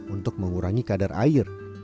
untuk mengurangi kadar air